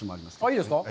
いいですか？